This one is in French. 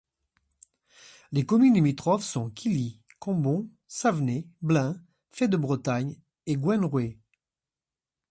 Les communes limitrophes sont Quilly, Campbon, Savenay, Blain, Fay-de-Bretagne et Guenrouet.